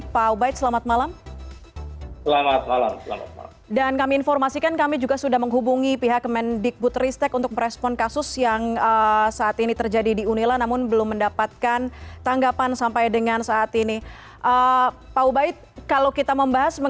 pak ubaid selamat malam